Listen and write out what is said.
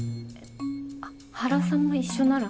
は原さんも一緒なら。